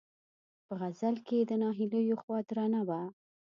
په غزل کې یې د ناهیلیو خوا درنه وه.